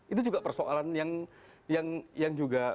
itu juga persoalan yang yang yang juga berat gitu